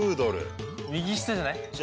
右下じゃない？